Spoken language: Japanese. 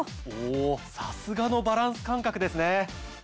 おさすがのバランス感覚ですね。